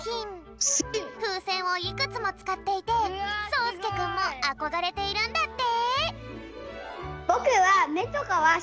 ふうせんをいくつもつかっていてそうすけくんもあこがれているんだって。